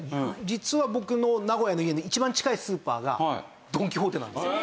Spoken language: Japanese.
実は僕の名古屋の家の一番近いスーパーがドン・キホーテなんですよ。